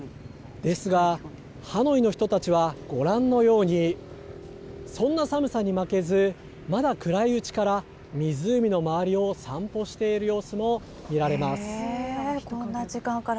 ですが、ハノイの人たちはご覧のように、そんな寒さに負けず、まだ暗いうちから湖の周りを散歩しこんな時間から。